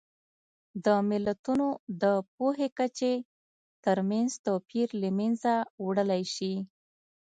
د ملتونو د پوهې کچې ترمنځ توپیر له منځه وړلی شي.